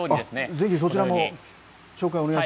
ぜひそちらも紹介お願いします。